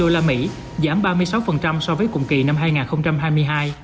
giảm ba mươi sáu so với cùng kỳ năm hai nghìn hai mươi hai